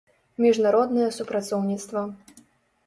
Мiжнароднае супрацоўнiцтва